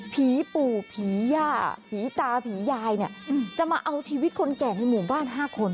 ผีปู่ผีย่าผีตาผียายเนี่ยจะมาเอาชีวิตคนแก่ในหมู่บ้าน๕คน